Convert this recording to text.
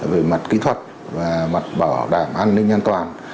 về mặt kỹ thuật và mặt bảo đảm an ninh an toàn